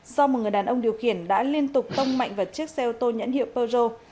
do một người đàn ông điều khiển đã liên tục tông mạnh vào chiếc xe ô tô nhãn hiệu peugeo